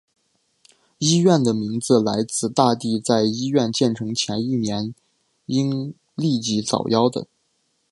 医院的名字来自大帝在医院建成前一年因痢疾早夭的。